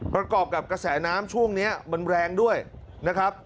ประกอบกับกระแสน้ำช่วงนี้มันแรงด้วยนะครับ